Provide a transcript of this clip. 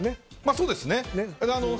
そうですね。